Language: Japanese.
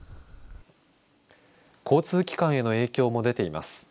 交通機関への影響も出ています。